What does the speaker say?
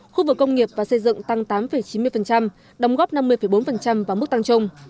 khu vực công nghiệp và xây dựng tăng tám chín mươi đóng góp năm mươi bốn vào mức tăng trung